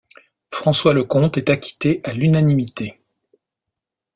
François Leconte est acquitté à l'unanimité.